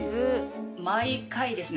毎回ですね。